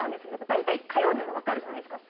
大体、通うとわかるじゃないですか。